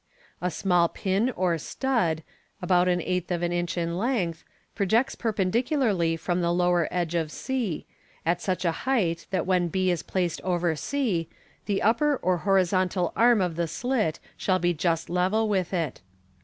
A small pin or stud, about an eighth of an inch in length, projects perpendicularly from the lower edge of c, at such a height that when b is placed over c, the upper or horizontal arm of the slit shall be just level with it.